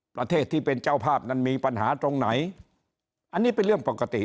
ประเทศที่เป็นเจ้าภาพนั้นมีปัญหาตรงไหนอันนี้เป็นเรื่องปกติ